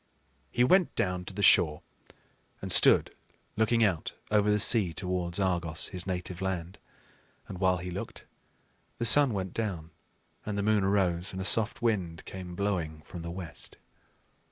He went down to the shore and stood looking out over the sea towards Argos, his native land; and while he looked, the sun went down, and the moon arose, and a soft wind came blowing from the west.